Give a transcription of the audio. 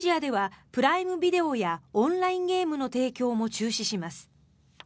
また、ロシアではプライムビデオやオンラインゲームの提供も中止します。